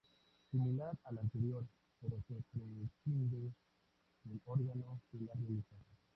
Similar a la anterior, pero se prescinde del órgano que la realiza.